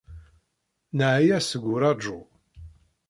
Neεya seg uraju.